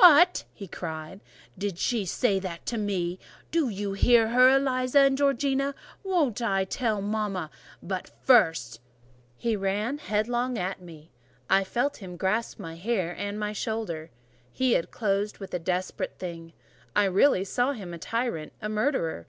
what!" he cried. "Did she say that to me? Did you hear her, Eliza and Georgiana? Won't I tell mama? but first—" He ran headlong at me: I felt him grasp my hair and my shoulder: he had closed with a desperate thing. I really saw in him a tyrant, a murderer.